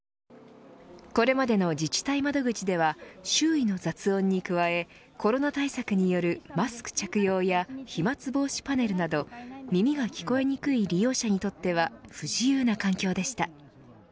これまでの自治体窓口では周囲の雑音に加えコロナ対策によるマスク着用や飛沫防止パネルなど耳が聞こえにくい利用者にとっては不自由な環境でした。